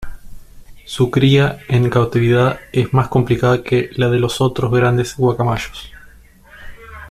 Su cría en cautividad es más complicada que la de otros grandes guacamayos.